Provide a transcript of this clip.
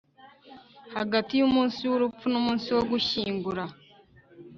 Hagati yumunsi wurupfu numunsi wo gushyingura